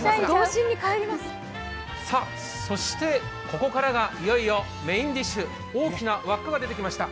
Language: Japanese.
そして、ここからがいよいよメーンディッシュ、大きな輪っかが出てきました。